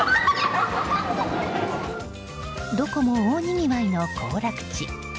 どこも大にぎわいの行楽地。